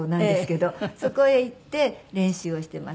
そこへ行って練習をしてます。